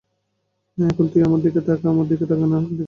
এখন তুই আমার দিকে তাকা, আমার দিকে তাকানা, ওদিক কি দেখাচ্ছিস?